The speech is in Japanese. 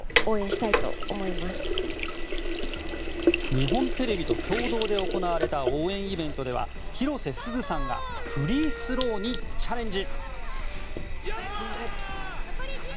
日本テレビと共同で行われた応援イベントでは広瀬すずさんがフリースローにチャレンジ。